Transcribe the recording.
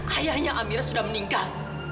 ayahnya amir sudah meninggal